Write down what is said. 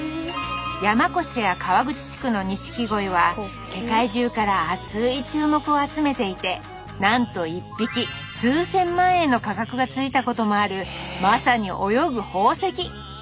山古志や川口地区の錦鯉は世界中から熱い注目を集めていてなんと１匹数千万円の価格がついたこともあるまさに泳ぐ宝石！